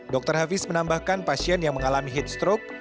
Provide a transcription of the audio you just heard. dr hafiz menambahkan pasien yang mengalami heat stroke